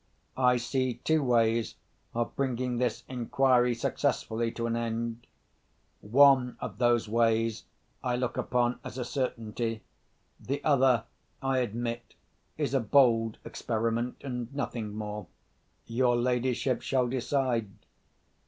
I see two ways of bringing this inquiry successfully to an end. One of those ways I look upon as a certainty. The other, I admit, is a bold experiment, and nothing more. Your ladyship shall decide.